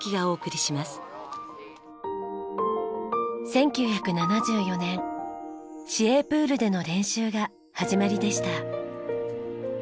１９７４年市営プールでの練習が始まりでした。